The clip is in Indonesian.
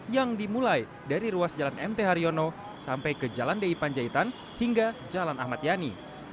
yang dimulai dari ruas jalan mt haryono sampai ke jalan di panjaitan hingga jalan ahmad yani